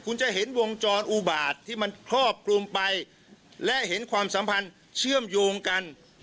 คุณจะเห็นวงจรอุบาตที่มันครอบคลุมไปและเห็นความสัมพันธ์เชื่อมโยงกัน